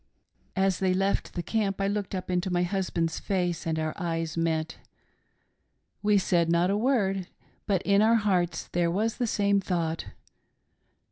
"As they left the camp, I looked up into my husband's face and our eyes met. We said not a word, but in our hearts there was the same thought.